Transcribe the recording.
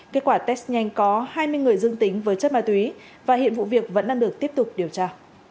kết quả test nhanh có hai mươi người dương tính với chất ma túy và hiện vụ việc vẫn đang được tiếp tục điều tra